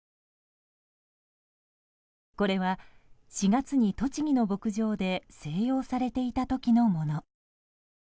これは４月に、栃木の牧場で静養されていた時のもの。